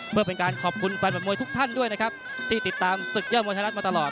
เพื่อเป็นการขอบคุณแฟนบัตรมวยทุกท่านด้วยนะครับที่ติดตามศึกยอดมวยไทยรัฐมาตลอด